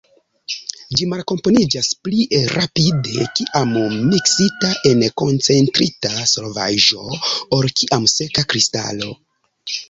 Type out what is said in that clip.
Ĝi malkomponiĝas pli rapide kiam miksita en koncentrita solvaĵo ol kiam seka kristalo.